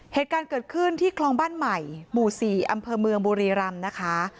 เหตุการณ์เกิดขึ้นที่คลองบ้านใหม่หมู่๔อำเภอเมืองบุรีรำนะคะ